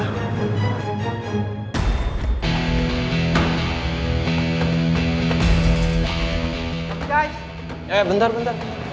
eh bentar bentar